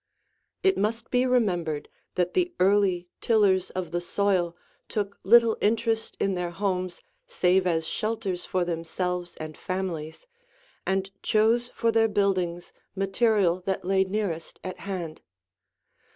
It must be remembered that the early tillers of the soil took little interest in their homes save as shelters for themselves and families, and chose for their buildings material that lay nearest at hand.